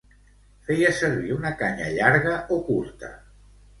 Feia servir una canya llarga o curta?